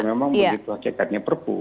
memang berarti itu hakikatnya perpu